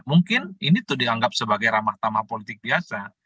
mungkin ini tuh dianggap sebagai ramah tamah politik biasa